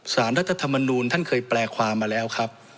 รัฐธรรมนูลท่านเคยแปลความมาแล้วครับ